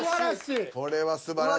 これはすばらしい。